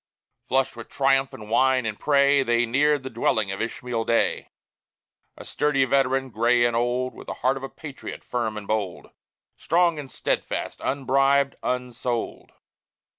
Flushed with triumph, and wine, and prey, They neared the dwelling of Ishmael Day, A sturdy veteran, gray and old, With heart of a patriot, firm and bold, Strong and steadfast unbribed, unsold.